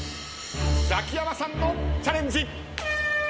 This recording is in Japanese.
ザキヤマさんのチャレンジ。